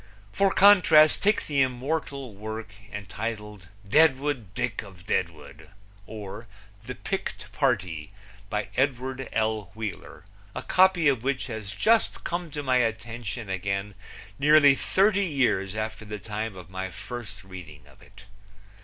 For contrast, take the immortal work entitled Deadwood Dick of Deadwood; or, The Picked Party; by Edward L. Wheeler, a copy of which has just come to my attention again nearly thirty years after the time of my first reading of it.